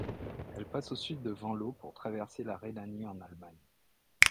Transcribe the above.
Elle passe au sud de Venlo pour traverser la Rhénanie en Allemagne.